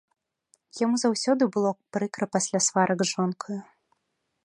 Яму заўсёды было прыкра пасля сварак з жонкаю.